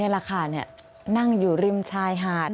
แหละค่ะนั่งอยู่ริมชายหาด